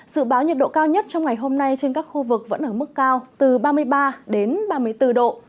dự báo nhiệt độ cao nhất trong ngày hôm nay trên các khu vực vẫn ở mức cao từ ba mươi ba đến ba mươi bốn độ